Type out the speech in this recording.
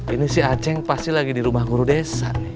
ini si aceh pasti lagi di rumah guru desa